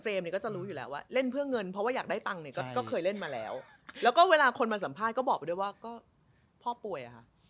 ซีรีส์วายเราเป็นคนไม่แอนตี้กับชองหนังอะไรเลยเว้ย